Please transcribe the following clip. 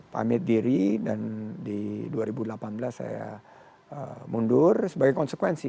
pamit diri dan di dua ribu delapan belas saya mundur sebagai konsekuensi